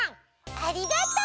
ありがとう！